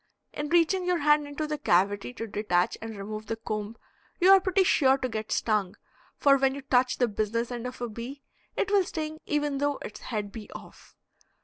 In reaching your hand into the cavity to detach and remove the comb you are pretty sure to get stung, for when you touch the "business end" of a bee, it will sting even though its head be off.